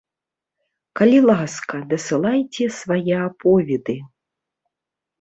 Калі ласка, дасылайце свае аповеды.